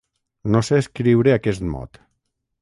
No sé escriure aquest mot.